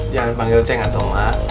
jangan panggil ceng atau enggak